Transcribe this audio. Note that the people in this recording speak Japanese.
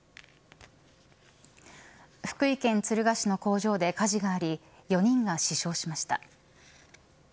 福井県敦賀市の工場で火事があり４人が死傷しました。